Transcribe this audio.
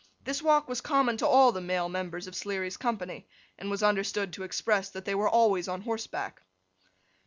This walk was common to all the male members of Sleary's company, and was understood to express, that they were always on horseback.